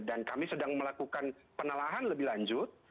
dan kami sedang melakukan penelahan lebih lanjut